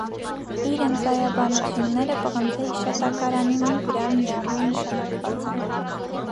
Իր ընծայաբերութիւնները պղնձէ յիշատակարանի մի վրայ մի առ մի նշանակուած են։